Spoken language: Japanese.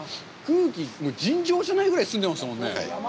空気が尋常じゃないぐらい済んでますもんね。